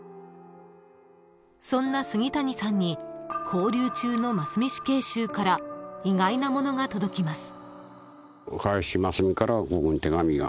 ［そんな杉谷さんに勾留中の真須美死刑囚から意外なものが届きます］